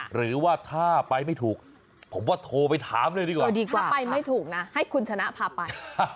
หรือว่าถ้าไปไม่ถูกผมว่าโทรไปถามเลยดีกว่าถ้าไปไม่ถูกนะให้คุณชนะพาไป